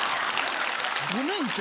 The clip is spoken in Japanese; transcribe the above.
ごめんて。